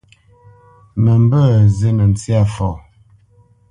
Mə mbə̄ zînə ntsyâ fɔ.